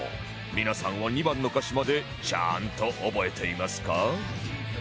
皆さんは２番の歌詞までちゃんと覚えていますか？